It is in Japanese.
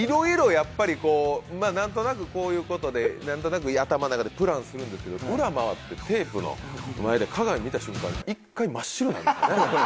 やっぱりこうまあなんとなくこういう事でなんとなく頭の中でプランするんですけど裏回ってテープの前で鏡見た瞬間に一回真っ白になるんですよね。